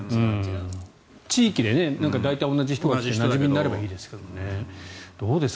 地域で大体、同じ人がなじみになればいいですがね。